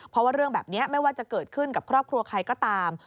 เพราะว่าเรื่องแบบนี้ไม่ว่าจะเกิดขึ้นกับครอบครัวใครก็ตาม